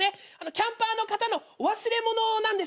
キャンパーの方の忘れ物なんです。